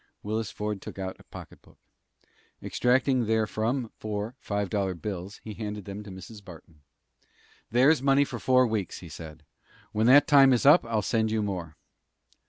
Willis Ford took out a pocketbook. Extracting therefrom four five dollar bills, he handed them to Mrs. Barton. "There's money for four weeks," he said. "When that time is up I'll send you more."